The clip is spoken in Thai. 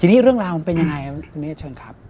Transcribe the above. ทีนี้เรื่องราวมันเป็นอย่างไรเมฆเชิญครับ